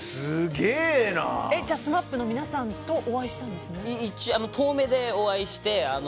じゃあ、ＳＭＡＰの皆さんと遠めでお会いして。